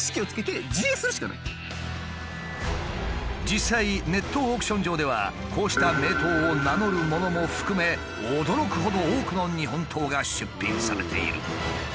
実際ネットオークション上ではこうした名刀を名乗るものも含め驚くほど多くの日本刀が出品されている。